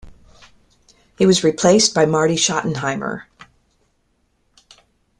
He was replaced by Marty Schottenheimer.